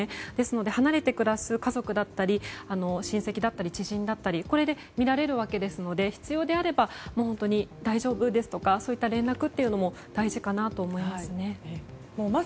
離れて暮らす家族だったり親戚だったり、知人だったりこれで見られるわけですので必要であれば本当に大丈夫？ですとかそういった連絡も大事かなと思います。